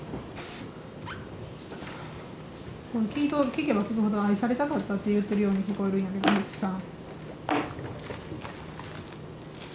聞けば聞くほど愛されたかったって言ってるように聞こえるんやけどいぶきさん。